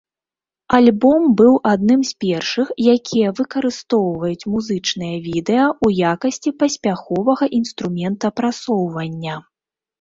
Альбом быў адным з першых, якія выкарыстоўваюць музычныя відэа ў якасці паспяховага інструмента прасоўвання.